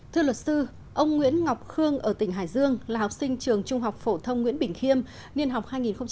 thưa luật sư ông nguyễn ngọc khương ở tỉnh hải dương là học sinh trường trung học phổ thông nguyễn bình khiêm niên học hai nghìn một mươi hai nghìn hai mươi